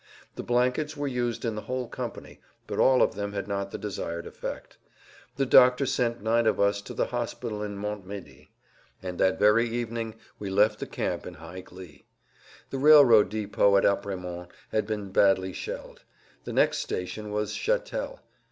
The blankets were used in the whole company, but all of them had not the desired effect. The doctor sent nine of us to the hospital at Montmédy, and that very evening we left the camp in high glee. The railroad depot at Apremont had been badly shelled; the next station was Chatel.